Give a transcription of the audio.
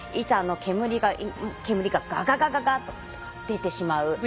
板の煙が、がががががっと出てしまう。